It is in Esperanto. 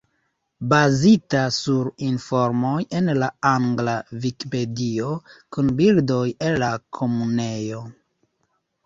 Bazita sur informoj en la angla Vikipedio, kun bildoj el la Komunejo.